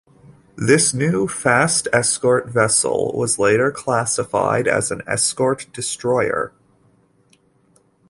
This new "fast escort vessel" was later classified as an "escort destroyer".